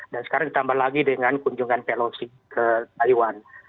dan sekarang ditambah lagi dengan kunjungan pelosi ke taiwan